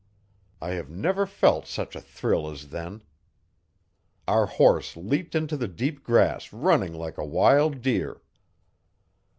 I have never felt such a thrill as then. Our horse leaped into the deep grass running like a wild deer.